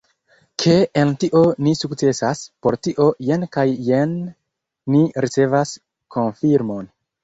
Ke en tio ni sukcesas, por tio jen kaj jen ni ricevas konfirmon.